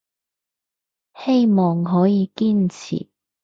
希望可以堅持